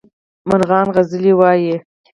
مرغان سندرې وايي